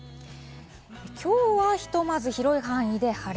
今日はひとまず広い範囲で晴れ。